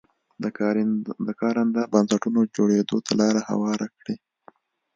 د کارنده بنسټونو جوړېدو ته لار هواره کړي.